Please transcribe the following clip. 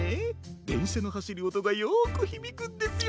でんしゃのはしるおとがよくひびくんですよ